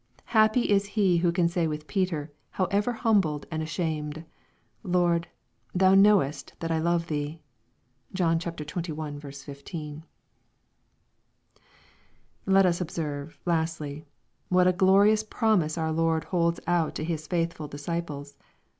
Happy is he who can say with Peter, however humbled and ashamed, " Lord, thou knowest that I love thee." (John xxi. 15.) Let us observe, lastly, what a glorious promise our Lord holds out to His faithful disciples.